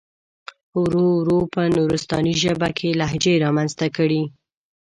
ورو ورو په نورستاني ژبه کې لهجې را منځته کړي.